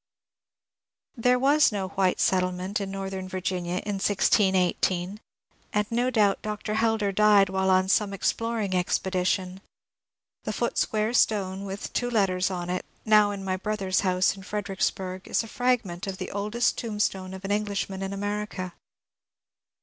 THeBoomop CDmoMD There was no white settlement in northern Virginia in 1618, and no doabt Dr. Helder died while on some exploring expedition. The foot sqaare stone with two letters on it, now in my brother's hoase in Fredericksbarg, is a fragment of the oldest tombstone of an Englishman in America.